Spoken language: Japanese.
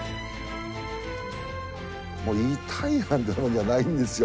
もう痛いなんてもんじゃないんですよ。